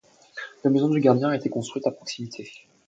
La maison du gardien a été construite à proximité.